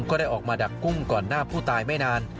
ก็ได้ออกมาดักกุ้งก่อนหน้าผู้ตายไม่นาน